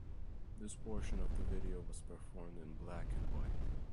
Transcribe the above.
This portion of the video was performed in black and white.